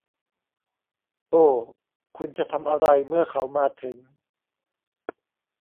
โอ้คุณจะทำอะไรเมื่อเขามาถึง